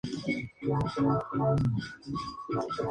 El aceite se utiliza como antibacteriano y fungicida.